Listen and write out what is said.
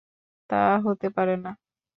তা হতে পারে না।